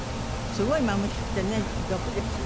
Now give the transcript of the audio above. すごいマムシってね毒ですよ。